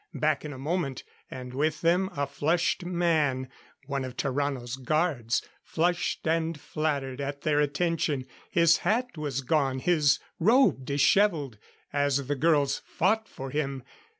Back in a moment; and with them a flushed man one of Tarrano's guards flushed and flattered at their attention. His hat was gone, his robe disheveled, as the girls fought for him.